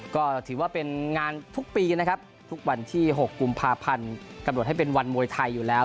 ก็ถือว่าเป็นงานทุกปีนะครับทุกวันที่๖กุมภาพันธ์กำหนดให้เป็นวันมวยไทยอยู่แล้ว